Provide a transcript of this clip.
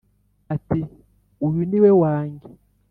ati: "Uyu ni we wange."